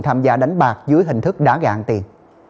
tham gia đánh bạc dưới hình thức đá gà ăn tiền